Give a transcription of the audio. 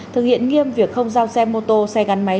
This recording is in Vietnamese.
thực hiện nghiêm việc không giao xe mô tô xe gắn máy